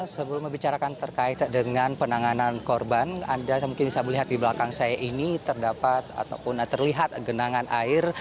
sebelum membicarakan terkait dengan penanganan korban anda mungkin bisa melihat di belakang saya ini terdapat ataupun terlihat genangan air